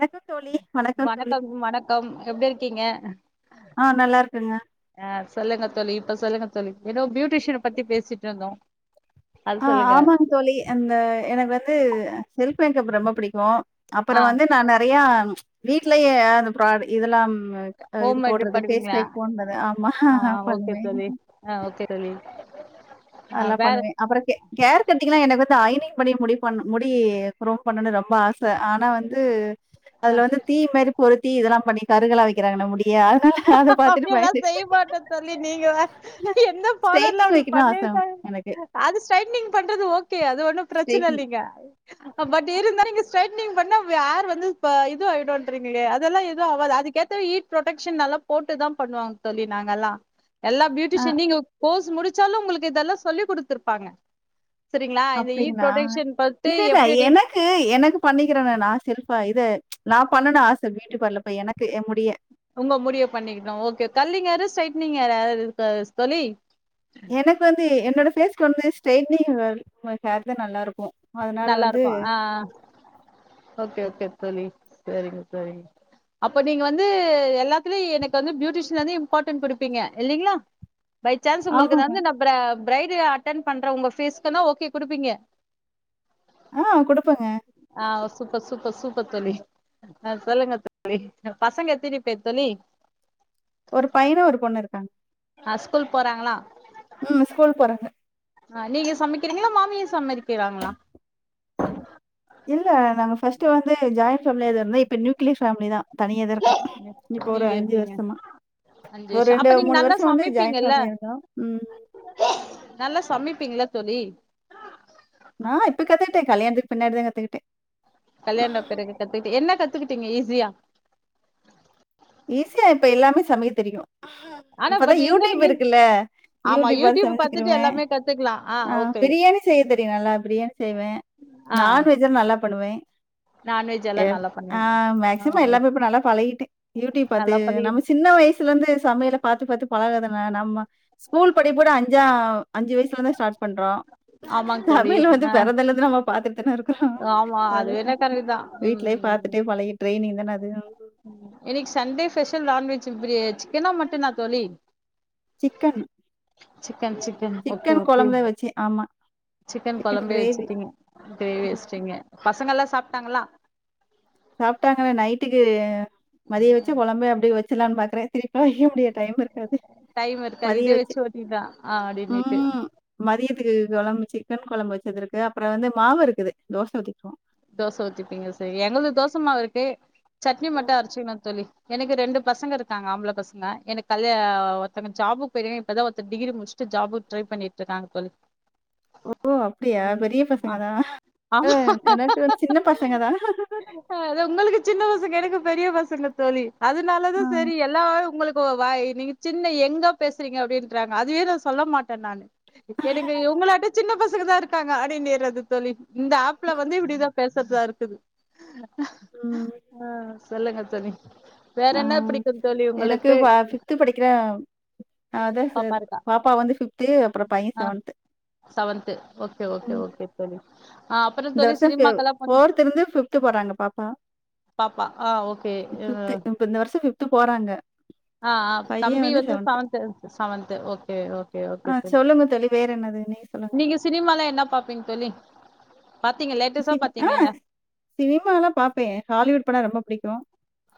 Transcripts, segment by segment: வணக்கம் தோழி தோழி. வணக்கம் வணக்கம் எப்டி இருக்கீங்க ஆ நல்லா இருக்குங்க. அஹ் சொல்லுங்க தோழி சொல்லுக தோழி ஏதோ பியூட்டிஷன் பத்தி பேசிட்டு இருந்தோம் ஆஹ் ஆமாங் தோழி அந்த எனக்கு வந்து கெல்ப் பிலைன் கப் ரொம்ப பிடிக்கும் ஆ அப்புறம் வந்து நா நெறைய வீட்லயே பிராடு இதெல்லாம் இது ஹோம்மேடு போறது பண்ணுவீங்களா பேஸ்பேக் போன்றது ஆமா ஆ ஓகே பணுவே தோழி ஆ ஓகே தோழி ஆ அதலாம் வேற பண்ணுவே அப்புற ஹேர் கட்டீங்கலா என்ன ஐயனிங் பண்ணி முடி பண்ண முடி குரோம் பண்ணனு ரொம்ப ஆசை ஆனா வந்து ஆ அதுல வந்து தீ மாரி பொருத்தி இதலா பண்ணி கருகலா வைக்கிறாங்கள முடிய அதனால அத அ பார்த்துட்டு அப்படிலா பயந்துட்டு செய்ய மாட்டேன்னு தோலி நீங்க எந்த பார்லர் ஸ்ட்ரெய்ட்டிங் அப்டி வைக்கணும்னு ஆசை பண்ணவிங் எனக்கு. அது ஸ்ரெயிடிங் பண்றது ஓகே தி அது ஒன்னு பிரச்னை ஸ்ட்ரெய்ட்டிங் இல்லீக பட் இருந்தா நீ ஸ்டேட்னிங் ட பண்ணா ஏர் வந்து இது ஆகிடின்றீங்கலே அதெல்லா எதுவு ஆவாது அதுகேத்த ஈட் ப்ரொடக்க்ஷன் நல்லா போட்டு தா பண்ணுவாங்க தோலி நாங்கலா எல்லா ஆ. பியூடிஷன் நீங்க கோஸ் முடிச்சாலு உங்களுக்கு இதலா சொல்லி் கொத்துருப்பாங்க அப்படிங்களா இல்லல்ல எப்படி எப்படி எனக்கு-எனக்கு பணிக்கிறேனே நான் செல்ப்பா இத நா பண்ணணும் ஆசை வீட்டுகுவர்ல எனக்கு என் முடிய. உங்க முடிவு பண்ணிகிடோம் ஓகே கள்ளிங் ஹேர் ஸ்ட்ரைட் நீங்க யார யாரது இருக்க தோலி எனக்கு வந்து என்னோட பேஸ்க்கு வந்து ஸ்ட்ரைடனிங் [unintelligible] நல்லா இருக்கும் நல்லா இருக்கும் ஆஹ் ஓகே ஓகே தொழி சரிங்க தொழி அப்ப நீங்க வந்து எல்லாத்துலயும் எனக்கு வந்து பியூட்டிஷன்ந்து இம்பார்ட்டன்ட் குடுப்பீங்க இல்லலைங்களா பை சான்ஸ் உங்களுக்கு ஆமாங்க. தந்து நப்புற பிரைட் அட்டன் பண்ற உங்க பிஸ்க்க ஓகே குடுப்பீங்க ஆஹ் குடுப்பங்க த்தி ஆஹ் சொல்லுங்க தி பசங்க எதினிப்போர் தொழி ஒரு பயிர ஒரு பொண்ணு இருக்காங்க ஆஹ் ஸ்கூல் போறாங்களா உம் ஸ்கூல் போறாங்க அஹ் நீங்க சமைக்கிறீங்களா மாமிய சமதிக்கிறாங்களா இல்ல நாங்கள் ஃபஸ்டு வந்து ஜாயின் ஃபேலியாக இருந்தோ இப்போ ந நியூக்ளி ஃபேமிலி தான் தனியத இருக்கான் நீ- இப்ப ஒரு நீங்க அஞ்சு இருக்கீங்க வருஷமா அஞ்சு ஒரு வருஷோ ரெண்டு அப்ப நீங்க மூணு நல்லா வருஷம் வந்து ஜாயிண்ட் சமைப்பீங்கல்ல பேமிலியா இருந்தோம் உம் சொல்லி த்துக்கிட்டே கல்யாணம் பிறகு கத்துக்கிட்டு என்ன கத்துக்கிட்டு ங்க ஈஸியா ஈஸியா இப்ப எல்லாமே சமைய தெரியும் ஆனா இப்பதான் பட் யூடிப் இருந்தாலு இருக்குல்ல ஆமா யூடிப் யூடியூப் பாத்துட்டு சமைச்சுக்குருவேன் எல்லாமே கத்துக்கலா ஆ ஆஹ் ஓகே பிரியாணி செய்ய தெரியும் நல்லா பிரியாணி செய்வேன் ஆ நான்வெஜ்ல்லாம் நல்லா பண்ணுவேன் நான்வெஜ் எல்லா நல்லா பண்ணுவீங்க ஆஹ் ஆமா மேக்சிமம் எல்லாமே இப்ப நல்லா பழகிட்டேன் யூடியூப் பாத்து நல்லா பண்ணி நம்ம சின்ன வயசுல இருந்து சமையல பாத்து பாத்து பழகாதங்க நம்ம ஸ்கூல் படிகும்போது அஞ்சா அஞ்சு வயசல தான் ஸ்டார்ட் பண்றோம் ஆமாங்க தோழி சமையல் வந்து ஆ பிறந்ததுல்ல இருந்து நம்ம பாத்துட்டு தான் இருக் கோம் ஆமா அது ஆனா வேணா கரெக்ட் தா ம் வீட்லயே பாத்துட்டே பழைய ட்ரெனிங் தானே அது உம் உம் இன்னைக்கு சண்டே ஸ்பெஷல் நான்வெஜ் சிக்கனா மட்டனா தோழி chicken chicken chicken okay okay குழம்பு வச்சேன். ஆமா. சிக்கன் குழம்பு வச்சுட்டீங்க கிரேவி ம். வச்சீட்டீங்க பசங்க எல்லாம் சாப்பிட்டாங்களா சாப்பிட்டாங்க நைட்டுக்கு மதிய வச்சு குழம்பு அப்படி வச் சலாம்னு பாக்குறேன் தே வைக்க முடியாது டைம் இருக்காது டைம் இருக்கா மதியம் இதே வச்சு ஓட்டிடலா ஆ அப்டின்னுட்டு உம் மதியத்துக்கு குழம்பு சிக்கன் குழம்பு வச்சது இருக்கு அப்புறம் வந்து மாவு இருக்குது தோசை ஊத்திக்குவோம் தோசை ஊத்திப்பீங்க சரி எங்களுக்கு தோசை மாவு இருக்கே சட்னி ம். மட்டும் அரிச்சுக்களாம் தோழி எனக்கு ரெண்டு பசங்க இருக்காங்க ஆம்பளை பசங்க எனக்கு கல்யா ஒருத்தவங்க ஜாபுக்கு போயிருக்காங்க இப்பதான் ஒருத்தன் டிகிரி முடிச்சுட்டு ஜாபு ட்ரை பண்ணிட்டு இருக்காங்க தோழி ஓ அப்படியா ம் பெரிய ஆ பசங்க தான் ஆமா என உங்களுக்கு சின்ன பசங்க எனக்கு பெரிய பசங்க தோழி அதனால ஆ. தான் சரி எல்லா உங்களுக் இப்போ வா நீங்க சின்ன யங்கா பேசுறீங்க அப்படின்றாங்க அதுவே நான் சொல்ல மாட்டேன் நானு எனக்கு இவுங்களாட்டம் சின்ன பசங்க தான் இருக்காங் அடிநேர்றது தோழி இந்த ஆப்ல வந் பேசறது தான் இருக்குது ஆ [unintelligible] சொல்லுங்க தோழி வேற என்ன ஆஹ் பிடிக்கு தோழி எனக்கு உங்களுக்கு பா பிப்து படிக்கிற அதான் பாப்பா இருக்கா பாப்பா வந்து பிப்து அப்புறம் பையன் ஆ செவன்த்து செவன்த்து உம் ஆஹ் அப்புறம் தோழி சினிமாக்கெல்லா போனி போர்த் இருந்து பிப்து போறாங்க பாப்பா பாப்பா ஆ பிப்து ஓகே இப்ப இந்த வருஷம் போறாங்க ஆஹ் தம்பி வந்து செவன்த்து செவன்து ஓகே ஆ ஓகே சொல்லுங்க தோழி வேற என்னது சொல்லுங்க. நீங்க சினிமால என்ன பாப்பீங்க சொல்லுங்க சின ஆஹ் சினிம எல்லாம் பார்ப்பேன் ஹாலிவுட் படம் ரொம்ப பிடிக்கும்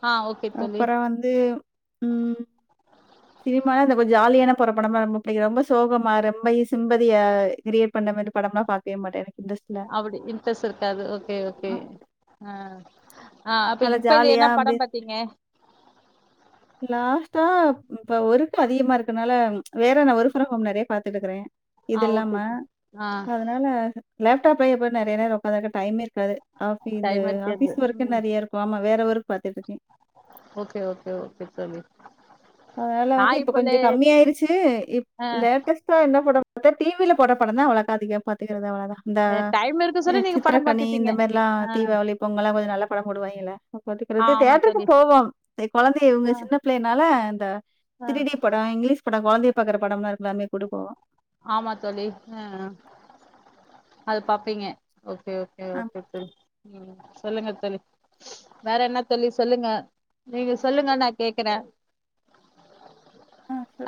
ஆ ஓகே தோழி அப்புறம் வந்து உம் சினிமாலா இந்த கொஞ்சம் ஜாலியான போற படமா ரொம்ப சோகம ரொம்ப சிம்பதியியா கிரியேட் பண்ணுற மாதிரி படம் எல்லாம் பாக்கவே மாட்டேன் இன்ட்ரெஸ்ட் இல்ல. அப்படி இன்ட்ரெஸ்ட் இருக்காது ஓகே ஓகே அ ஆஹ் ஆஹ் நல்லா இப்ப எந்த என்ன ஜாலியா அப்டியே படம் பாத்தீங்க லாஸ்ட்டா இப்ப வொர்க் அதிகமா இருக்கனால வேற நான் வொர்க் பிரம் ஒம் நிறைய பாத்துட்டு பாத்துட்டுக்கறேன் ஆ இது ஓகே இல்லாம தோழி. ஆ அதனால லேப்டாப்ல எப்படி நிறைய உக்காந்து இருக்கா டைம் இல்ல இந்த டைம் இருக்காது ஆபிஸ் ஒர்க்க ம் நிறைய இருக்கும் ஆமா வேற ஓர்க் பாத்துட்டு இருக்கேன் ஓகே ஓகே ஓகே சொல்லு அதனால வந்து இப்ப கொஞ்சம் கம்மிய ஆயிருச்சு ஆ லேட்டஸ்ட்டா என்ன படம் பத்த டிவியில போடுற படம் தான் உளா அதிகம் பாத்தீங்க அவ்ளான் டைம் இருக்கு அ சொல்லி நீங்க படம் சித்திரக்கனி இந்த பாத்துப்பீங்க மாதிரி எல்லாம் ஆ தீபாவளி பொங்கல் எல்லாம் கொஞ்சம் நல்லா படம் போடுவாங்களக்கிறது ஆமா தேட்டருக்கு தோழி போவோம் குழந்தை இவங்க ஆ சின்ன பிள்ளைனால ஆ த்ரீ டி படம் இங்கிலீஷ் [unintelligible] ஆமா தோழி ஹ் அது பாப்பீங்க ஓகே ஓகே அ ஓகே உம் சொல்லுங்க தோழி வேற என்ன சொல்லி சொல்லுங்க நீங்க சொல்லுங்க நான் கேக்குறேன் ஆஹ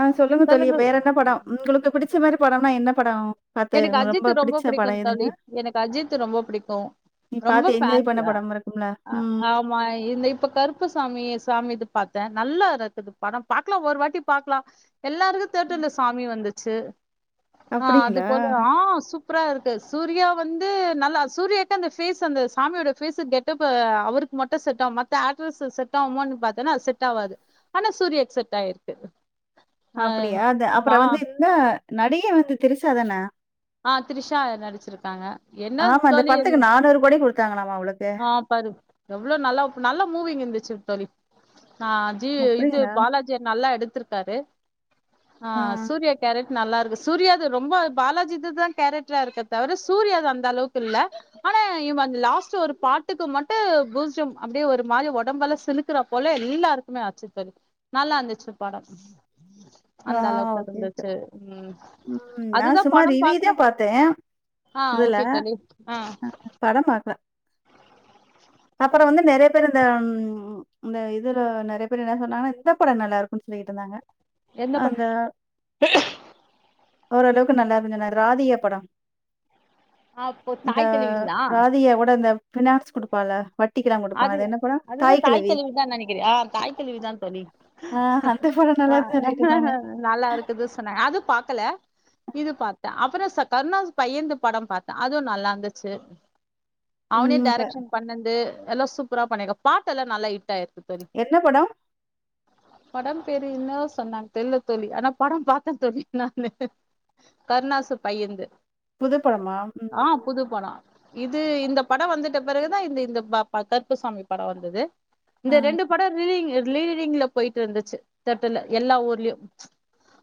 ஆஹ் சொல்லுங்க தோழி வேற என்ன படம் உங்களுக்கு பிடிச்ச மாதிரி படம் என்ன படம் பாத்து எனக்கு உங்களுக்கு அஜித் ரொம்ப பிடிச்ச பிடிக்கும் படம் எதுங்க? தழி எனக்கு அஜித் ரொம்ப பிடிக்கும் நீ ரொம்ப பாத்து என்ஜாய் பண்ண ன்ஸ் படம் இருக்கும்ல? ம். ஆமா இந்த இப்ப கருப்பசாமிய சாமி இது பார்த்தேன் நல்லா இருக்குது பணம் பாக்கலாம் ஒரு வாட்டி பாக்கலாம் எல்லாருக்கும் தேட்ட இல்ல சாமி வந்துச்சு ட்சு அப்படிங்களா போல ஆஹ் சூப்பரா இருக்கு சூர்யா வந்து நல்லா சூர்யாக்கு அந்த பேஸ் அந்த சாமியோட பேஸ கெட்ட அவருக்கு மட்டும் செட ஆகும் மத்த ஆட்ரஸ் செட் ஆகமனு பத்தேன்னா அது செட் ஆகாது ஆனா சூர்யாக்கு செட் ஆயிருக்கு ஆ அப்படியா அது வா அப்புறம் வந்து இந்த நடிகை வந்து திரிசாதானா ஆஹ் தரிஷா நடிச்சிருக்காங்க என்ன ஆமா, அந்த தோழி என்ன படத்துக்கு [unintelligible] ஆஹ் பரு எவ்வளோ நல்லா நல்ல மூவிங் இருந்துச்சு [unintelligible] ஆஹ் ஜி இது அப்படிங்களா? பாலாஜிய நல்லா எடுத்துருக்கு இருக்காரு ஆ. ஆஹ் சூரியா கேரட் நல்லா இருக்கு சூர்யாது ரொம்ப பாலாஜி தான் கேரக்டரா இருக்கே தவிர சூர்யா அந்த அளவுக்கு இல்ல ஆனா இவன் அ லாஸ்ட் ஒரு பாட்டுக்கு மட்டும் பூஜ்யம் அப்டியே ஒரு மாரி உடம்பல சிலுக்குற போல எல்லாருக்குமே ஆச்சு பரி நல்லா இருந்துச்சு பாடம் ஆ அந்த அளவுக்கு ஓகே, ஓகே. இருந்துச்சு உம் ம். நான் அதுதான் சும்மா படம் ரிவ்யூ பாக்கணும் தான் பார்த்தேன், ஆஹ் இதுல. ஓகே தோழி ஆஹ் படம் பார்க்கல. அப்புறம் வந்து நெறைய பேரு இந்த உ இந்த இதுல நெறைய பேர் என்ன சொன்னாங்கன்னா இந்த படம் நல்லா இருக்குன்னு சொல்லிட்டு இருந்தாங்க எந்த ப அந்த ஓரளவுக்கு நல்லா இருஞ்சனா ராதியா படம் ஆ இப்போ இந்த தாய் கெழவிங்களா ராதிகா கூட இந்த ஃபினான்ஸ் குடுப்பால அது அதுதான் தாய் கெழவிதான் நெனைக்கிறேன் ஆஹ் தாய் கெழவிதான் தோழி ஆ அந்த படம் நல்லாருக்குன்னு சொல்லிட்டு இருந்தாங்க. ஆஹ் நல்லா இருக்குது சொன்னாங்க அது பாக்கல இது பாத்தேன் அப்புறம் கருணாஸ் பையன்து படம் பாத்தேன் அது நல்லா இருந்துச்சு அவனே ம். க டைேரக்ஷன் பண்ணது எல்லாம் சூப்பரா பண்ணிருக்க பாட்டல்லாம் நல்லாஹிட் ஆயிரு என்ன படம் படம் பேரு என்னவோ சொன்னாங்க தெரிலத்தோழி ஆனா படம் பாத்தன் தோழினான் கருணாசு பையன்து புதுப்படமா உம் ஆ புது படோ இது இந்த படம் வந்துட்ட பிறகுதான் இந்த இந்த பா ப கருப்பு சாமி படம் வந்தது ஆ இந்த ரெண்டு படம் ரீதிங் லீடிங்ல போயிட்டு இருந்துச்சு தட்டுல எல்லா ஊர்லயும்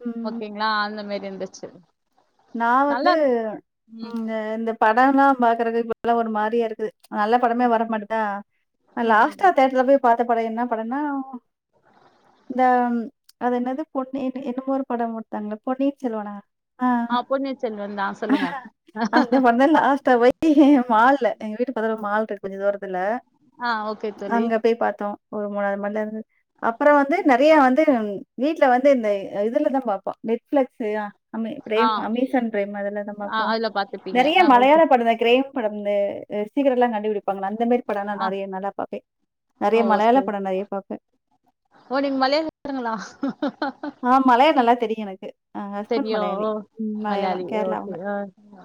ம். ஓகேங்களா அந்த மாி எந்துச்சு நான் வந்து உ ம் இந்த படம்ல்லாம் பாக்குற இப்ப எல்லாம் ஒரு மாரியா இருக்கு நல்ல படமே ம் வர மாட்டுதா ம் ம் லாஸ்டா தேட்டர்ல போய் பாத்த படம் என்னா படனா இந்த அது என்னது பொன்னி என்னமோரு படம் கொடுத்தாங்களே பொன்னீயின் செல்வனா ஆ ஆஹ் பொன்னியின் செல்வன் சொல்லுங்க அந்த படம் தான் லாஸ்ட்டா போய் மால்ல எங்க வீட்டு பக்கத்துல மால் கொஞ்ச தூரம் அதுல ஆ ஓகே தோழி அங்க போய் பார்த்தோம் ஒரு மூணாவது மாடிலே இருந்து அப்புறம் வந்து நிறைய வந்து வீட்ல வந்து இந்த இதுலதான் பார்ப்போம் நெட்பிளக்ஸயா நம்பே ஆ பிரேம் அமேசான் பிரைம் அதுலதான் ஆ பார்ப்போம் அதுல பாத்துப்பீங்க நிறைய ஆ ஓகே மலையாள படம்தா கிரேம் படம்இந்து சீக்கிரேட் எல்லாம் கண்டுபிடிப்பாங்க அந்த இந்த மாரி படம்ல்லாம் ஆ நிறைய நல்லா பார்ப்பேன் ஓ நிறைய மலையாள சரி படம் நிறைய பார்ப்பேன் ஓ நீங்க மலையங்களா ஆஹ் மலையம் நல்லா தெரியும் எனக்கு அ ஹஸ்பண்ட் தெரியு ஓ மலையாளி உம் மலையாளி மலையாளம் ஓகே கேரளாஅவுங்க ஆ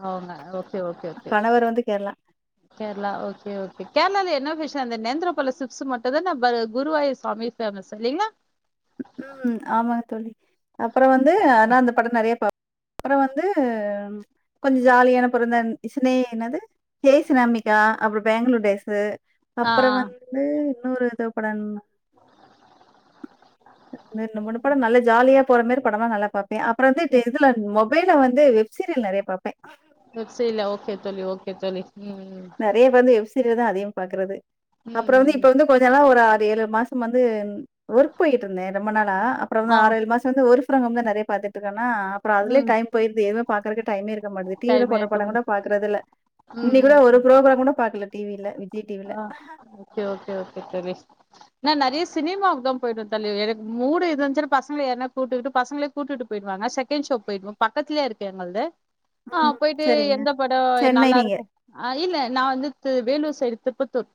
அவங்க ஓகே ஓகே ஓகே கணவர் வந்து கேரளா கேரளா ஓகே ஓகே கேரளால என்ன விஷம் அ நேந்திரப்பல சிப்ஸ் மட்டும்தான் குருவாயுர் சுவாமி ஃபேமஸ் இல்லலைங்களா உம் ஆமா தோழி அப்புறம் வந்து ஆனா அந்த படம் நிறைய பார்பே அப்புறம் வந்து கொஞ்சம் ஜாலியான பேறுந்தன் சீணேஎனது ஜெயசு நம்பிகா அப்புறம் பெங்களூர் டேஸ் ஆ அப்புறம் வந்து இன்னூறு எதே படன் ரெண்டு முன்னு படம் நல்ல ஜாலியா போறமாரி படமா நல்ல பார்ப் அப்புறம் வந்து இதுல மொ வேறவந்து வெப்சீரியல் நிறைய பார்பேன் வெப்சீலயா ஓகே தோழி ஓகே தோழி உம்உம் இதுல தான் அதையும் பாக்குறது அப்புறம் வந்து ம் இப்ப வந்து கொஞ்சம் நல்லா ஒரு ஏழு மாசம் வந்து ஒர்க் போயிட்டு இருந்தேன் ரொம்ப நாளா அப்புறம் வந்து ஆ ஆறு ஏழு மாசம் வந்து ஒர்க் அப்புறம் தான் நிறைய பாத்துட்டுக்கான அப்புறம் அதுலே ம் டைம் போயிருது [unintelligible] டைம் இருக்க மாட்டது டிவில டைம் போடுற படம் ஆயிருக்கும் கூட பாக்குறது இல்ல ம் இன்னைக்கு கூட ஒரு கூட பாக்கல டிவில விஜய் டிவில ஆஹ ஓகே ஓகே தோழி நான் நெறைய சினிமாவுக்கு தான் போயிடுவேன் தோழி எனக்கு மூடு இருந்துச்சுன்னா பசங்க யாரன கூட்டுட்டு பசங்களே கூட்டுட்டு போயிடுவாங்க செகண்ட் ஷோ போயிடுவன் பக்கத்துலேய இருக்கு எங்களது ஆஹ் ம். போயிட்டு சரிங்க. எந்த படம் சென்னை நல்லா நீங்க. இருக்கும் ஆஹ் இல்ல நான் வந்து வேலூர் தெப்பத்ததூர்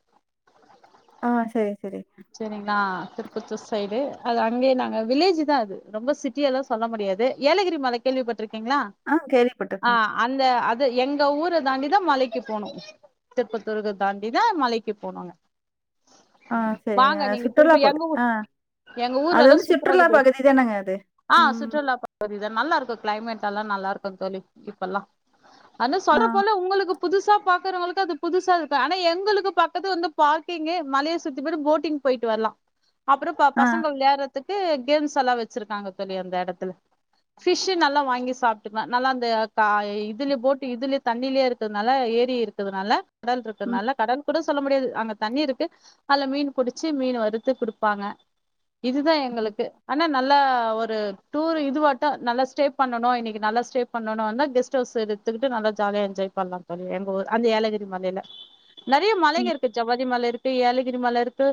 ஆஹ் சரி சரி செரிங்களா திருப்பத்தூர் சைடு அது அங்கே நாங்க வில்லேஜ் தான் அது ரொம்ப சிட்டி எல்லா சொல்ல முடியாது ஏலகிரி மலை கேள்விப்பட் இருக்கிங்களா ஆ கேள்விப்பட்டுருக்கேன். ஆஹ அந்த அது எங்க ஊரை தாண்டி தான் மலைக்கு போனும் திருப்பத்தூர் தாண்டி இதான் மலைக்கு போனாங்க ஆ சரிங்க. வாங்க நீங்க சுற்றுலா திருப்பி பகு எங்க ஊர் ஆ எங்க ஊர்ல அது எல்லா வந்து சூப்பர சுற்றுலா இருக்குது பகுதி தானங்க அது? ஆஹ் ம். சுற்றுலா பகுதி தான் நல்லா இருக்கும் கிளைமேட் எல்லா நல்லா இருக்கு தோழி இப்பல்லாம் ஆனா ஆ, சொன்ன போல உங்களுக்கு புதுசா பா இருக்கவங்களுக்கு அது புதுசா இருக்கு அக் எங்களுக்கு பக்கத்து வந்து பார்க்கிங்கு மலையை சுத்தி போட்டு போட்டிங் போயிட்டு வரலாம் அப்புறம் ப ஆ. பசங்க விளையாடுறதுக்கு கேம்ஸ் எல்லா வச்சிருக்காங்க தோழி அந்த இடத்துல ஃபிஷ் நல்லா வாங்கி சாப்டுக்கலாம் நல்லா இந்த இதுல போட்டு இதுல தண்ணிலே இருக்கனால ஏரி இருக்கிறதுனால இது ம், நல்ல கடன் கூட சொல்ல முடியாது அங்க தண்ணி இருக்கு அது மீன் புடிச்சு மீன் வறுத்து குடுப்பாங்க இதுதான் ம், எங்களுக்கு ஆனா நல்லா ஒரு டூர் இதுவட்டும் நல்லா ஸ்டே பண்ணனும் இன்னைக்கு நல்லா ஸ்டே பண்ணனும் வந்தா கெஸ்ட் ஹவுஸ் எடுத்துக்கிட்டு நல்லா ஜாலியா என்ஜாய் பண்ணலாம்னு சொல்லி எங்க ஊர் அந்த ஏலகிரி மலையில நெறைய மலைங்க ம், இருக்கு ஜவாரி மலை இருக் ட்டு ஏலகிரி மலை இருக்கு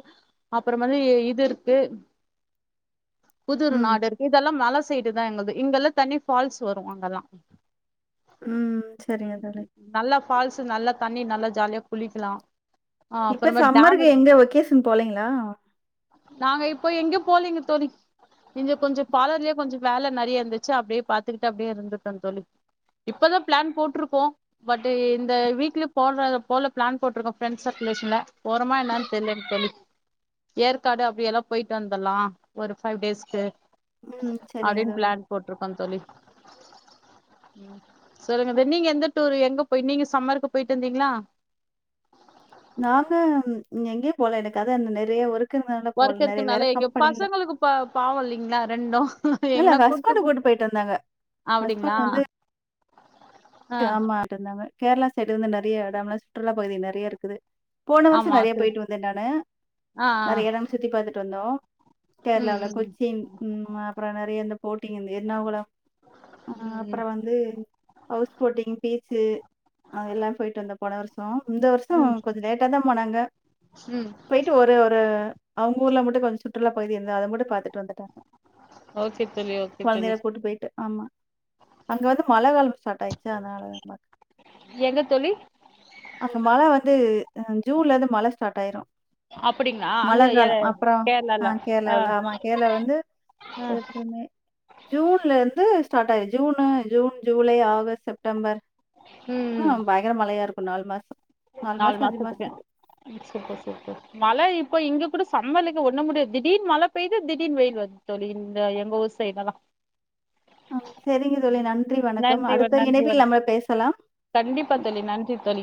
அப்புறம் வந்து இது இருக்கு புதுர் ம், நாடு இருக்கு இதெல்லாம் மலை சைடு இதன் எங்களது இங்கெல்லாம் தண்ணி ஃபால்ஸ் வரும் அங்கெல்லாம் ம். சரிங்க உம் தோழி. நல்லா ஃபால்ஸ் நல்லா தண்ணி நல்ல ஜாலியாக் குளிக்கலாம் இப்ப சம்மருக்கு எங்க வெக்கேஷன் போலங்களா நாங்க இப்போ எங்கயு போலீங்க தோழி இங்க கொஞ்சம் பாலர்லே கொஞ்சம் வேலை நிறைய இருந்துச்சு அப்டியே பாத்துக்கட்டு அப்டியே இருந்து தோழி இப்பதான் பிளான் போட்டிருக்கோம் பட் இந்த வீக்ல போ போல பிளான் போட்டிருக்கோம் ஃப்ரெண்ட் சர்க்குலேஷன்ல போறம்மா என்னன்னு ம், தெரியல தோழி ஏற்காடு அப்டியெல்லாம் போயிட்டு வந்துடலாம் ஒரு ஃபைவ் டேஸ்க்கு ம். சரிங்க அப்டின்னு தோழி. பிளான் போட்டிருக்கோம் தோழி சொல்லுங்க நீங்க எந்த டூரு எங்க போயி நீங்க சம்மருக்கு போயிட்டு வந்தீங்களா நாங்க எங்கயும் போல எனக்க அத இந்த நெறைய ஒர் ஒர்க் இருக்குனால எங்க பசங்களுக்கு பா பாவம் இல்லைங்களா ரெண்டும் இல்ல அங்க ஹஸ்பண்ட் கூட்டிட்டு போய்டிட்டு வந்தாங்க அப்டிங்களா ஹஸ்பண்ட் வந்து ஆ ஆமா ஆடாதாங்க கேரளா செட் வந்து நிறைய இடம்ல சுற்றுலா பகுதில நிறைய இருக்குது போன வருஷம் ஆமா நிறைய சரி போயிட்டு வந்தேன் நானு ஆ நிறைய ஆ இடம் சுத்தி பார்த்துட்டு வந்தோம் கேரளாவல ம் கொச்சி உம் ஆப் அப்புறம் நிறைய இந்த போட்டிங்கந்து எர்ணாகுளம் அஹ் ம் ம் அப்புறம் வந்து போட்டீங்க போச்சு அது எல்லாம் போயிட்டு வந்த போன வருஷம் இந்த வருஷம் ம் கொஞ்சம் லேட்டா தான் போனாங்க ம் போயிட்டு ஒரு ஒரு அவங்க ஊர்ல மட்டும் கொஞ்சம் சு சுற்றுலா பகுதி இருந்த அதும் கூட பார்த்துட்டு வந்துட்டாங்க ஓகே தோழி ஓகே தோழி குழந்தைல கூட்டு போயிட்டு ஆமாம் அங்க வந்து மழை காலம் கட்டாயச்சு அதனால தம்ப எங்க தோழி அந்த மழை வந்து ஜுன்ல இருந்து மழைசட்டாயிரும் அப்டிங்களா அங்க எத மலக்காலம் அப்புற கேரளால ஆஹ ஆ கேரளாவல ஆமா கேரளா வந்து ஆ ஏப்ர மே ஜூன்ல இருந்து ஸ்டாடயிச்சு June June July August August September ம் ம் ஹம் பயங்கர மலையா இருக்கு நாள் மாசு நாலு மாசத்துர்க சூப்பர் சூப்பர் மழை இப் இப்ப இங்க கூட சம்மலிங்க ஒண்ண முடியாது திடீனு மழை பெய்து திடீனு வெயில் வந்து தோழி இந்த எங்க ஊசைல்லாம் ஆ சரிங்க தோழி நன்றி வணக்கம் நன்றி வண் அடுத்த நன்றி இணைவில் வண். நம்ம பேசலாம் கண்டிப்பா தோழி நன்றி தோழி